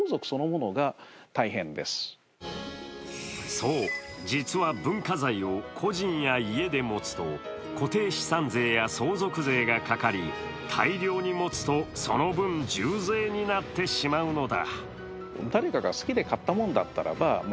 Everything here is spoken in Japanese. そう、実は文化財を個人や家で持つと固定資産税や相続税がかかり大量に持つと、その分、重税になってしまうのだ。